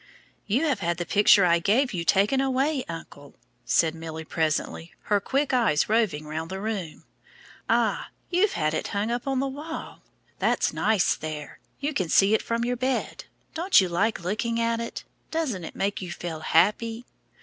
"You have had the picture I gave you taken away, uncle," said Milly presently, her quick eyes roving round the room. "Ah! you've had it hung up on the wall. That's nice there. You can see it from your bed. Don't you like looking at it? Doesn't it make you feel happy?"